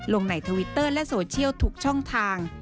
ลงในทวิตเตอร์และโซเชียลทุกช่องทาง